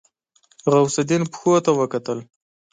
غوث الدين پښو ته وکتل.